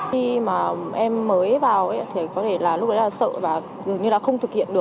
khi mà em mới vào thì có thể là lúc đấy là sợ và dường như là không thực hiện được